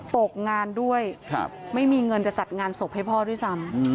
ตกงานด้วยไม่มีเงินจะจัดงานศพให้พ่อด้วยซ้ำ